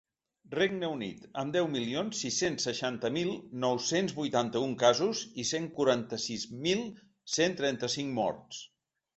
Regne Unit, amb deu milions sis-cents seixanta mil nou-cents vuitanta-un casos i cent quaranta-sis mil cent trenta-cinc morts.